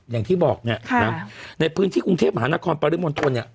อย่างที่บอกเนี่ยนะในพื้นที่กรุงเทพมหานครปริมณฑลเนี่ย